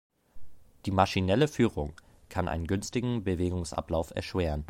Die maschinelle Führung kann einen günstigen Bewegungsablauf erschweren.